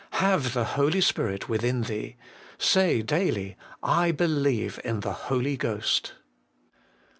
Have the Holy Spirit within thee. Say daily, '/ believe in the Holy Ghost.'